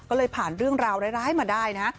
ก็เลยผ่านเรื่องราวร้ายมาได้นะ